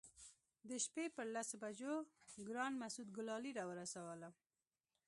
د شپې پر لسو بجو ګران مسعود ګلالي راورسولم.